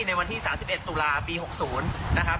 ในวันที่๓๑ตุลาปี๖๐นะครับ